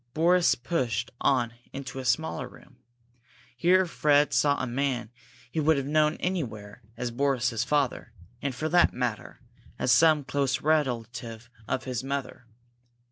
Boris pushed on into a smaller room. Here Fred saw a man he would have known anywhere as Boris's father, and, for that matter, as some close relative of his mother.